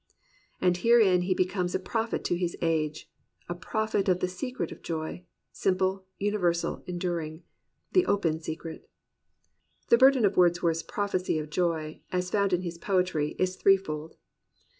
And herein he becomes a prophet to his age, — a prophet of the secret of joy, simple, universal, en during, — the open secret. The burden of Wordsworth's prophecy of joy, as found in his poetry, is threefold.